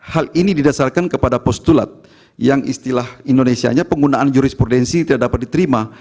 hal ini didasarkan kepada postulat yang istilah indonesianya penggunaan jurisprudensi tidak dapat diterima